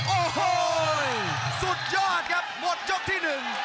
โอ้โหสุดยอดครับหมดยกที่หนึ่ง